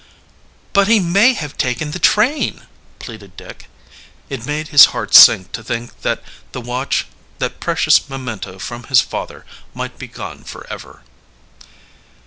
"But he may have taken the train," pleaded Dick. It made his heart sink to think that the watch, that precious memento from his father, might be gone forever.